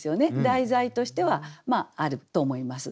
題材としてはあると思います。